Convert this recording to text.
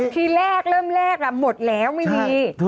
ทีแรกเริ่มแรกหมดแล้วไม่มี